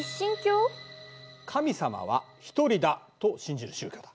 神様は一人だと信じる宗教だ。